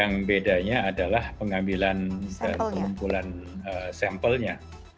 yang bedanya adalah pengambilan dan pengumpulan sampelnya